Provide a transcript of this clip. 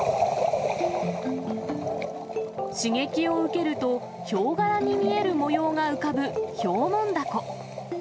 刺激を受けるとヒョウ柄に見える模様が浮かぶ、ヒョウモンダコ。